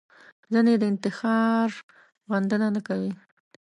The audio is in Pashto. ځینې د انتحار غندنه نه کوي